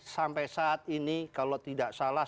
sampai saat ini kalau tidak salah